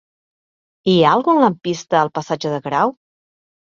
Hi ha algun lampista al passatge de Grau?